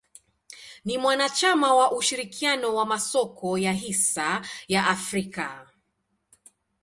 Ni mwanachama wa ushirikiano wa masoko ya hisa ya Afrika.